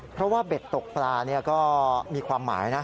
เพราะว่าเบ็ดตกปลาก็มีความหมายนะ